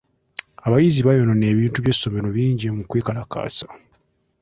Abayizi baayonoona ebintu by'essomero bingi mu kwekalakaasa.